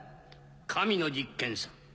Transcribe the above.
神の実験さ。